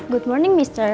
selamat pagi mister